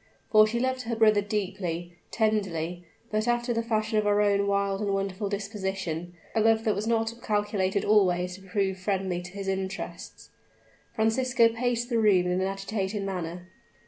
For she loved her brother deeply tenderly, but after the fashion of her own wild and wonderful disposition a love that was not calculated always to prove friendly to his interests. Francisco paced the room in an agitated manner.